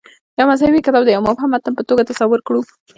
یو مذهبي کتاب د یوه مبهم متن په توګه تصور کړو.